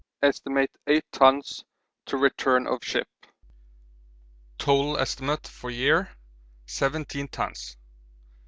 Estimate 8 tons to return of ship. Total estimate for year, 17 tons.